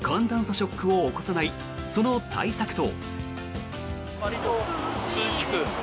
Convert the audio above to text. ショックを起こさないその対策と。